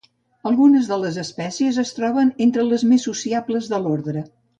Algunes de les espècies es troben entre les més sociables de l'ordre.